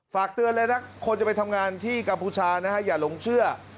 ฝากเตือนเลยนะคนจะไปทำงานที่กัมพูชานะฮะอย่าหลงเชื่อ